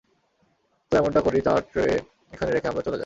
তো এমনটা করি, চা ট্রে এখানে রেখে আমরা চলে যাই।